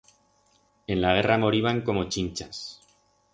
En la guerra moriban como chinchas.